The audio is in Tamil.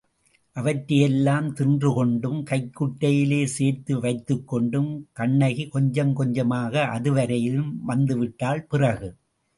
அவற்றையெல்லாம் தின்றுகொண்டும், கைக்குட்டையிலே சேர்த்து வைத்துக்கொண்டும் கண்ணகி கொஞ்சம் கொஞ்சமாக அதுவரையிலும் வந்துவிட்டாள் பிறகு.